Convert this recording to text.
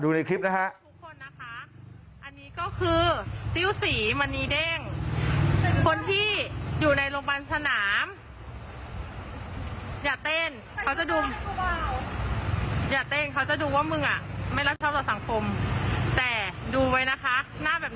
ดูในคลิปนะครับ